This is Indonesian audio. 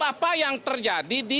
apa yang terjadi di